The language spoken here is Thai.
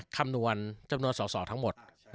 คำนวณสอบทั้งหมด